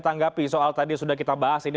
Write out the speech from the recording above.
tanggapi soal tadi sudah kita bahas ini